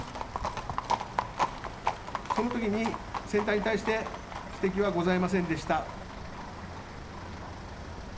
その時に船体に対して指摘はございませんでした。